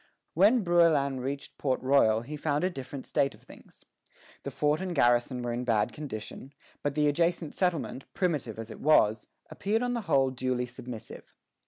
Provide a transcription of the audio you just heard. When Brouillan reached Port Royal he found a different state of things. The fort and garrison were in bad condition; but the adjacent settlement, primitive as it was, appeared on the whole duly submissive.